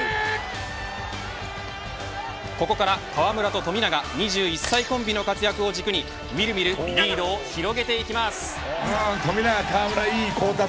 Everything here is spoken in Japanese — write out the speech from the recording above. ここから河村と富永２２歳コンビの活躍を軸にみるみるリードを広げていきます。